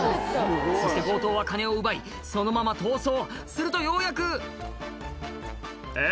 そして強盗は金を奪いそのまま逃走するとようやく「えっ？